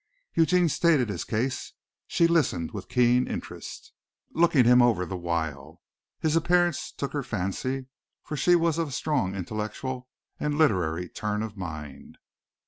Eugene stated his case. She listened with keen interest, looking him over the while. His appearance took her fancy, for she was of a strong intellectual and literary turn of mind.